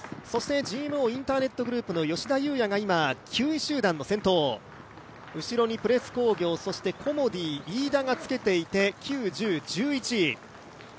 ＧＭＯインターネットグループの吉田祐也が今９位集団の先頭、後ろにプレス工業そしてコモディイイダがつけていて、９、１０、１１位。